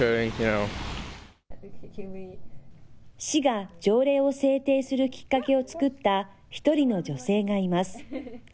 市が条例を制定するきっかけを作った１人の女性がいます。